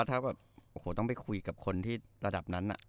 ถ้าต้องไปคุยกับคนที่ระดับนั้น